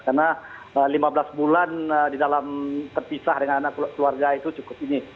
karena lima belas bulan di dalam terpisah dengan anak keluarga itu cukup ini